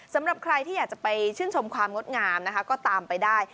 สำหรับใครที่อยากจะไปชื่นชมความงดงามนะคะก็ตามไปได้